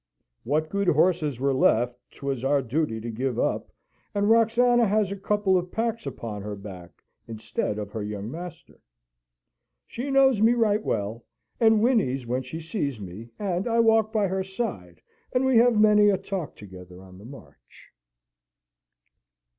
What good horses were left, 'twas our duty to give up: and Roxana has a couple of packs upon her back instead of her young master. She knows me right well, and whinnies when she sees me, and I walk by her side, and we have many a talk together on the march.